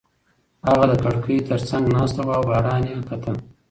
هغه د کړکۍ تر څنګ ناسته وه او باران یې کاته.